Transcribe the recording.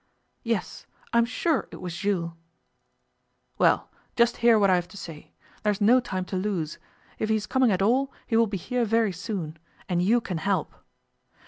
Yes, I am sure it was Jules.' 'Well, just hear what I have to say. There is no time to lose. If he is coming at all he will be here very soon and you can help.